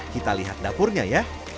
kita lihat dapurnya ya